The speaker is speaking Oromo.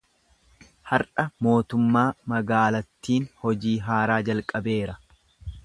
Har’a mootummaa magaalattiin hojii haaraa jalqabeera.